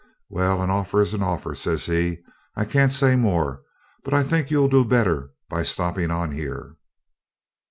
'Well, an offer's an offer,' says he. 'I can't say more, but I think you'll do better by stopping on here.'